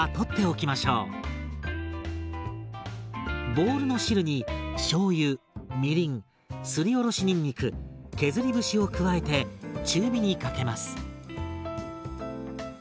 ボウルの汁にしょうゆみりんすりおろしにんにく削り節を加えて中火にかけます。